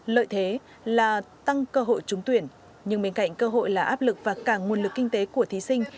lợi thế là tăng cơ hội trúng tuyển nhưng bên cạnh cơ hội là áp lực và cả nguồn lực kinh tế của thí sinh